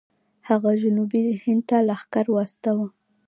هغه جنوبي هند ته لښکر واستوه.